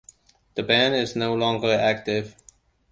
The band is no longer active.